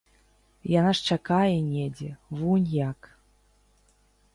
Яна ж чакае недзе, вунь як!